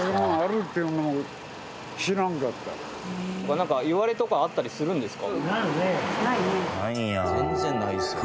なんかいわれとかあったりするんですか？